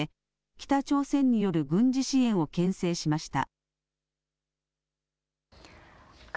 北朝鮮による軍事支援をけん制しました。